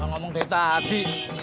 eh ngomong dari tadi